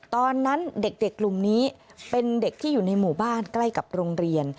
ตอนนั้นเด็กกลุ่มนี้เป็นเด็กที่อยู่ในหมู่บ้านใกล้กับโรงเรียน